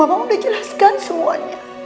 mama tahu mama udah jelaskan semuanya